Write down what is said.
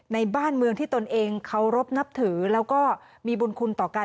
ในบ้านเมืองที่ตนเองเคารพนับถือแล้วก็มีบุญคุณต่อกัน